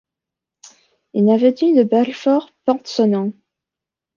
Une avenue de Belfort porte son nom.